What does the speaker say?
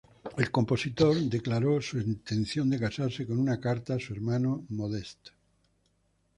El compositor declaró su intención de casarse en una carta a su hermano Modest.